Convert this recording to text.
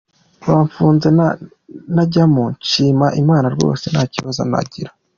Bamfunze najyamo nshima Imana rwose nta kibazo nagira.